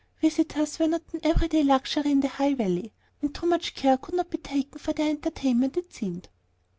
Visitors were not an every day luxury in the High Valley, and too much care could not be taken for their entertainment, it seemed.